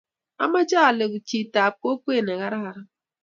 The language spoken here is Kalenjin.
ameche aleku chitab kokwet ne kararan